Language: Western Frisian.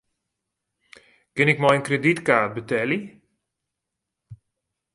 Kin ik mei in kredytkaart betelje?